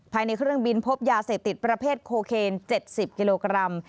ภายในเครื่องบินพบยาเสพติดประเภทโคเคน๗๐กิโลกรัม